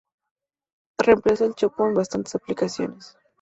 Reemplaza al chopo en bastantes aplicaciones.